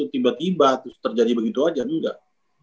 tiba tiba terjadi begitu aja nggak